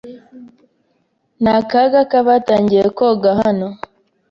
Ni akaga kubatangiye koga hano.